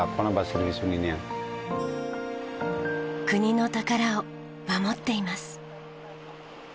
国の宝を守っています。